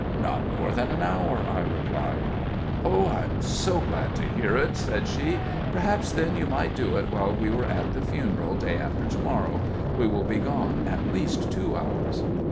"Not more than an hour," I replied. "Oh, I'm glad to hear it!" said she. "Perhaps, then, you might do it while we are at the funeral, day after to morrow? We will be gone at least two hours."